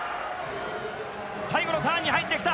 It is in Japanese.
最後のターンに入ってきた。